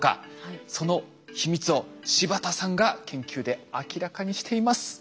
その秘密を柴田さんが研究で明らかにしています。